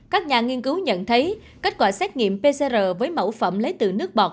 các nhà nghiên cứu nhận thấy kết quả xét nghiệm pcr với mẫu phẩm lấy từ nước bọt